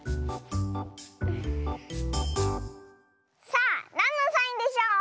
さあなんのサインでしょう？